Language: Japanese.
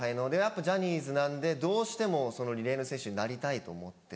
ジャニーズなんでどうしてもリレーの選手になりたいと思って。